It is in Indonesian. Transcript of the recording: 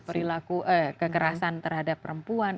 perilaku kekerasan terhadap perempuan